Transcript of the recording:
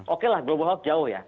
oke lah global hawk jauh ya